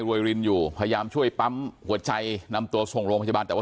โรยรินอยู่พยายามช่วยปั๊มหัวใจนำตัวส่งลงปัจจุบันแต่ว่า